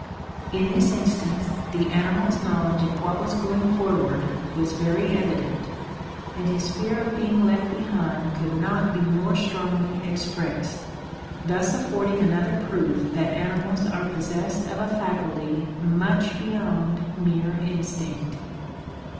In this instance, the animal's knowledge of what was going forward was very evident, and his fear of being left behind could not be more strongly expressed; thus affording another proof that animals are possessed of a faculty much beyond mere instinct.